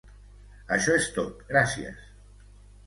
Això es tot, gràcies!